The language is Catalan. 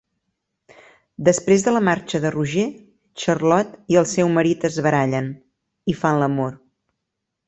Després de la marxa de Roger, Charlotte i el seu marit es barallen i fan l'amor.